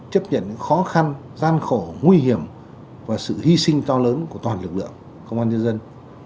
chấp nhận những khó khăn gian khổ nguy hiểm và sự hy sinh to lớn của toàn lực lượng công an nhân dân